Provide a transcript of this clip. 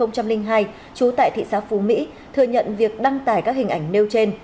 trú tại thị xã phú mỹ thừa nhận việc đăng tải các hình ảnh nêu trên